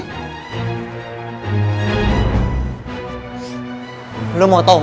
pas juga kenapa mereka berantem